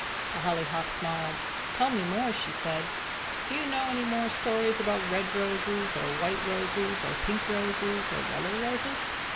The Hollyhock smiled. "Tell me more," she said. "Do you know any more stories about red roses, or white roses, or pink roses, or yellow roses?"